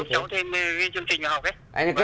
giúp cháu thêm chương trình học đấy